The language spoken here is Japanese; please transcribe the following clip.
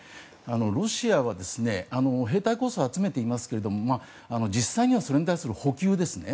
ロシアは兵隊こそ集めていますけれども実際にはそれに対する補給ですね。